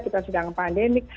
kita sedang pandemik